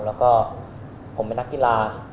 แล้วก็ผมเป็นนักกีฬา